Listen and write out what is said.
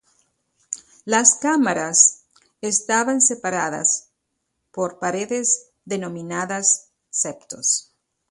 Las cámaras estaban separados por paredes denominadas septos.